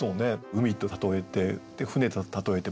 「海」と例えて「船」と例えてますね。